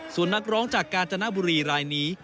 ส่วนนักร้องจากกาญจนบุรีรายนี้